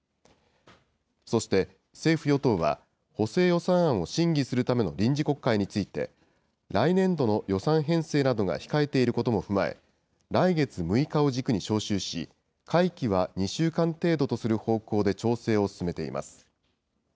そして、政府・与党は、補正予算案を審議するための臨時国会について、来年度の予算編成などが控えていることも踏まえ、来月６日を軸に召集し、会期は２週間程度とする方向で調整を進めています。